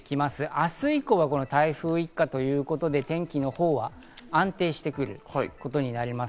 明日以降は台風一過ということで、天気のほうは安定してくることになります。